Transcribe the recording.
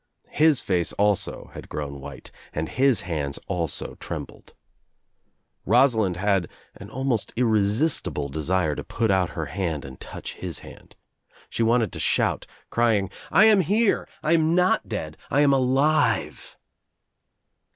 His face also had ■own white and his hands also trembled. Rosalind 194 THE TRIUMPH THE EGG had an almost irresistible desire to put out her hand' and touch his hand. She wanted to shout, crying — *'I| am here. I am not dead. I am alive."